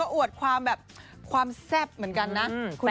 อวดความแบบความแซ่บเหมือนกันนะ